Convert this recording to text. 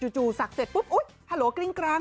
จู่ศักดิ์เสร็จปุ๊บอุ๊ยฮาโหลกลิ้งกลาง